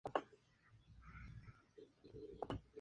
Realizó expediciones botánicas a Nigeria, Irak, Suiza y Canadá.